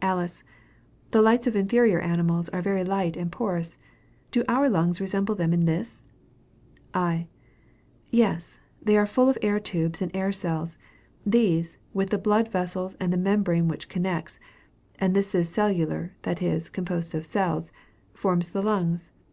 Alice. The lights of inferior animals are very light and porous do our lungs resemble them in this? I. Yes; they are full of air tubes and air cells. These, with the blood vessels and the membrane which connects (and this is cellular, that is, composed of cells,) form the lungs.